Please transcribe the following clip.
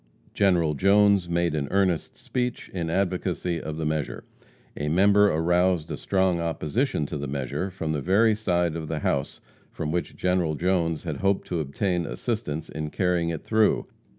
General Jones made an earnest speech in advocacy of the measure. A member aroused a strong opposition to the measure from the very side of the house from which General Jones had hoped to obtain assistance in carrying it through.